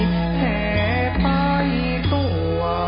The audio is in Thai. ทรงเป็นน้ำของเรา